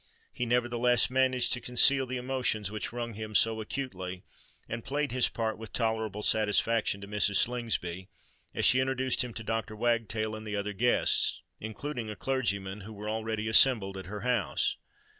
He, nevertheless, managed to conceal the emotions which wrung him so acutely, and played his part with tolerable satisfaction to Mrs. Slingsby as she introduced him to Dr. Wagtail and the other guests, including a clergyman, who were already assembled at her house.